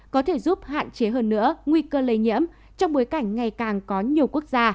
có thể giúp hạn chế hơn nữa nguy cơ lây nhiễm trong bối cảnh ngày càng có nhiều quốc gia